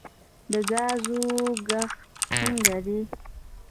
د ګازرو کښت څنګه دی؟